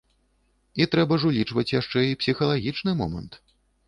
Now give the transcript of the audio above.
І трэба ж улічваць яшчэ і псіхалагічны момант.